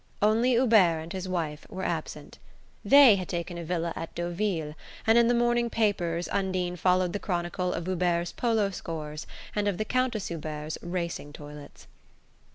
Only Hubert and his wife were absent. They had taken a villa at Deauville, and in the morning papers Undine followed the chronicle of Hubert's polo scores and of the Countess Hubert's racing toilets.